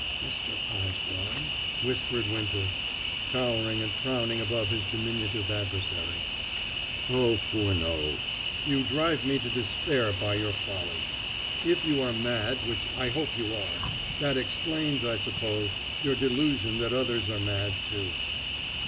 "Mr. Osborne?" whispered Winter, towering and frowning above his diminutive adversary. "Oh, Furneaux, you drive me to despair by your folly. If you are mad, which I hope you are, that explains, I suppose, your delusion that others are mad, too."